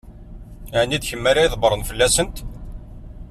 Ɛni d kemm ara ydebbṛen fell-asent?